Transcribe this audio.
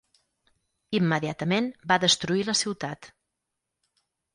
Immediatament va destruir la ciutat.